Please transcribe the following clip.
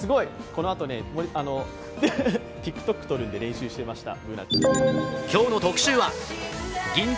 このあと、ＴｉｋＴｏｋ撮るんで、練習していました。